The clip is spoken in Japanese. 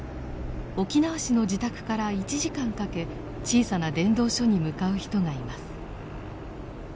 沖縄市の自宅から１時間かけ小さな伝道所に向かう人がいます。